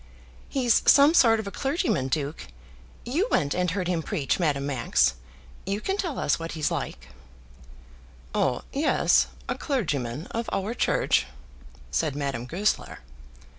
"He's some sort of a clergyman, duke. You went and heard him preach, Madame Max. You can tell us what he's like." "Oh, yes; he's a clergyman of our church," said Madame Goesler.